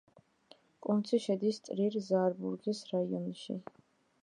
კონცი შედის ტრირ-ზაარბურგის რაიონში.